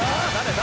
誰？